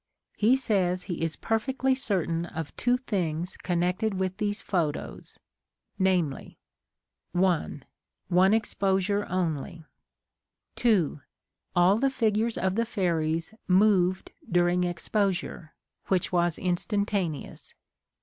He says he is perfectly certain of two things connected with these photos, namely: 1. One exposure only; 2. All the figures of the fairies moved dur ing exposure, which was *' instantaneous."